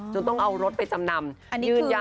จนต้องเอารถไปจำนำยื่นยัน